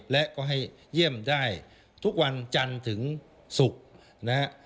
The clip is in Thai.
และก็ให้เยี่ยมได้ทุกวันจันทร์ถึงศุกร์นะฮะ